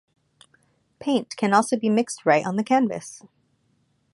Paint can also be mixed right on the canvas.